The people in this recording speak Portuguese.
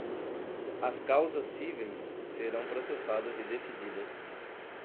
As causas cíveis serão processadas e decididas